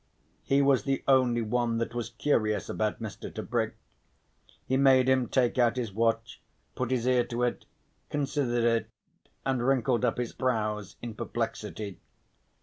He was the only one that was curious about Mr. Tebrick: he made him take out his watch, put his ear to it, considered it and wrinkled up his brows in perplexity.